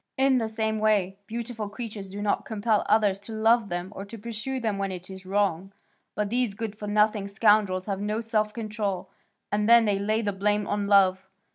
In the same way, beautiful creatures do not compel others to love them or pursue them when it is wrong, but these good for nothing scoundrels have no self control, and then they lay the blame on love.